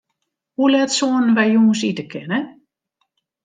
Hoe let soenen wy jûns ite kinne?